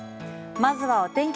まずはお天気